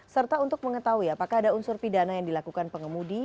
serta untuk mengetahui apakah ada unsur pidana yang dilakukan pengemudi